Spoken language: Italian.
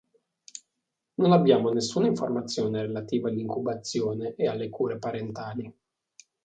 Non abbiamo nessuna informazione relativa all'incubazione e alle cure parentali.